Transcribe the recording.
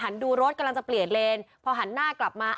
ดูรถกำลังจะเปลี่ยนเลนพอหันหน้ากลับมา